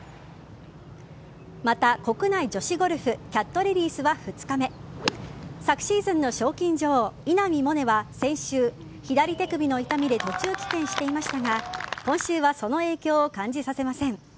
また、国内女子ゴルフＣＡＴレディースは２日目昨シーズンの賞金女王稲見萌寧は先週、左手首の痛みで途中棄権していましたが今週はその影響を感じさせません。